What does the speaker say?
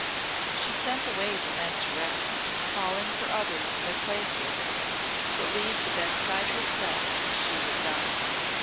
She sent away the men to rest, calling for others in their places; but leave the bedside herself she would not.